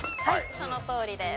そのとおりです。